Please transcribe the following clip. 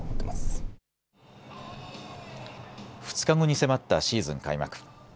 ２日後に迫ったシーズン開幕。